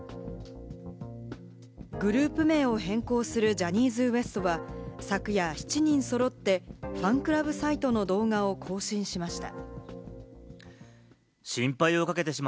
グループ名を変更するジャニーズＷＥＳＴは、昨夜、７人揃ってファンクラブサイトの動画を公開しました。